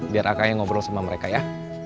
biar akaknya ngobrol sama mereka ya